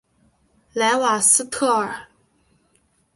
莱瓦斯特尔。